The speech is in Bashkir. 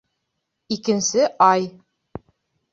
Икенсе ай.